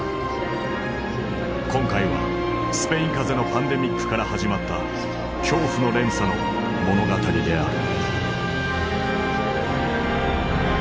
今回はスペイン風邪のパンデミックから始まった恐怖の連鎖の物語である。